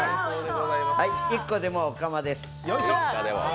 １個でもおかまです。